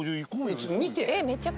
ちょっと見てよ。